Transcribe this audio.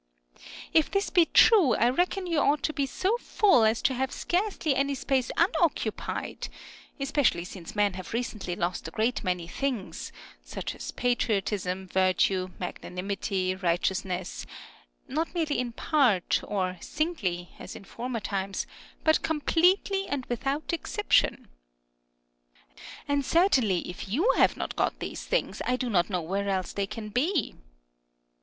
If this be true, I reckon you ought to be so full as to have scarcely any space unoccupied, especially since men have recently lost a great many things (such as patriotism, virtue, magnanimity, righteousness), not merely in part, or singly, as in former times, but completely, and without exception. And certainly if you have not got these things, I do not know where else they can be.